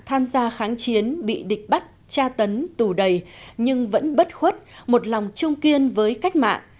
tham gia kháng chiến bị địch bắt tra tấn tù đầy nhưng vẫn bất khuất một lòng chung kiên với cách mạng